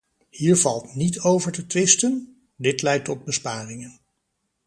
Hier valt niet over te twisten: dit leidt tot besparingen.